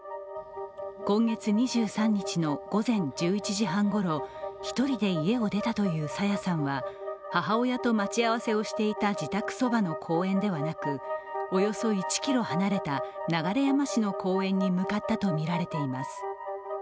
今月２３日の午前１１時半ごろ、１人で家を出たという朝芽さんは母親と待ち合わせをしていた自宅そばの公園ではなく、およそ１ｋｍ離れた流山市の公園に向かったとみられています。